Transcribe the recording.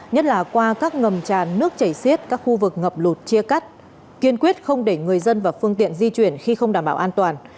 nhất là qua các ngầm tràn nước chảy xiết các khu vực ngập lụt chia cắt kiên quyết không để người dân và phương tiện di chuyển khi không đảm bảo an toàn